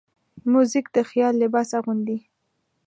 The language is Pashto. موزیک د خیال لباس اغوندي.